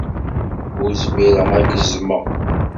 Ur zmireɣ ad k-zzmeɣ.